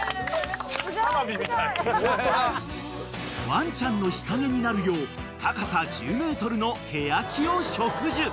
［ワンちゃんの日陰になるよう高さ１０ｍのケヤキを植樹］